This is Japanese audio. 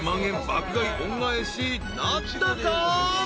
爆買い恩返しなったか？］